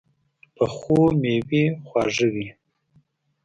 پخو مېوې خواږه وي